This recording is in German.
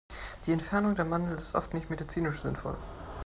Die Entfernung der Mandeln ist oft nicht medizinisch sinnvoll.